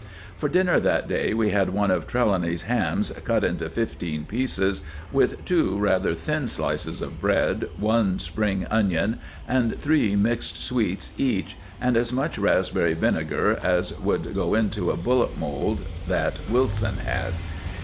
For dinner that day we had one of Trelawny's hams cut into fifteen pieces, with two rather thin slices of bread, one spring onion, and three mixed sweets each, and as much raspberry vinegar as would go into a bullet mold that Wilson had.